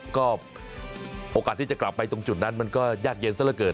ก็โอกาสที่จะกลับไปตรงจุดนั้นมันก็ยากเย็นซะละเกิน